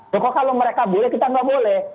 pokoknya kalau mereka boleh kita nggak boleh